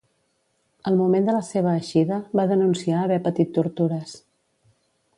Al moment de la seva eixida va denunciar haver patit tortures.